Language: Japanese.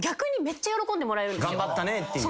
頑張ったねっていう。